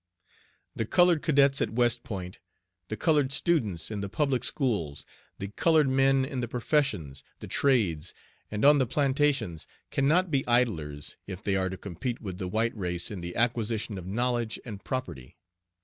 The colored cadets at West Point, the colored students in the public schools, the colored men in the professions, the trades, and on the plantations, can not be idlers if they are to compete with the white race in the acquisition of knowledge and property.